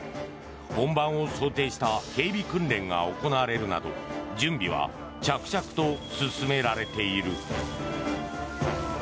本番を想定した警備訓練が行われるなど準備は着々と進められている。